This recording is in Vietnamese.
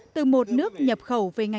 từ một nước nhập khẩu về ngành